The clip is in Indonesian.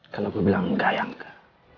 kalau aku bilang enggak ya enggak